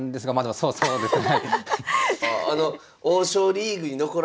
そうですね。